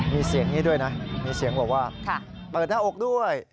มีเสียงนี้ด้วยนะมีเสียงบอกว่าเปิดหน้าอกด้วย